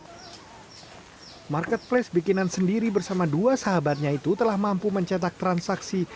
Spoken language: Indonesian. marketplace bikinan sendiri bersama dua sahabatnya itu telah mampu mencetak transaksi